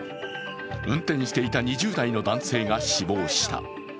運転していた２０代の男性が死亡した。